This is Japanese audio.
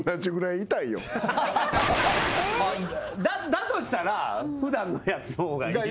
だとしたら普段のやつの方がいい。